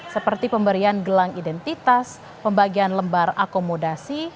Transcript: seperti pemberian gelang identitas pembagian lembar akomodasi